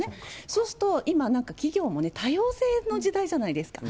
そうすると今、なんか企業もね、多様性の時代じゃないですか。